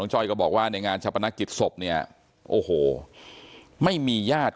น้องจ้อยนั่งก้มหน้าไม่มีใครรู้ข่าวว่าน้องจ้อยเสียชีวิตไปแล้ว